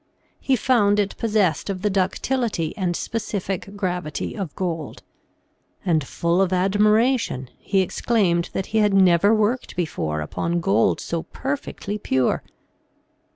He found it possessed of the ductility and specific gravity of gold; and full of admiration, he exclaimed that he had never worked before upon gold so perfectly pure.